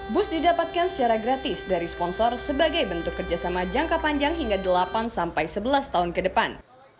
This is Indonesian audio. bus didapatkan secara gratis dari sponsor sebagai bentuk kerjasama jangka panjang hingga delapan sampai sebelas tahun ke depan